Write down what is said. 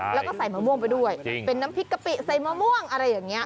แล้วก็ใส่มะม่วงไปด้วยเป็นน้ำพริกกะปิใส่มะม่วงอะไรอย่างนี้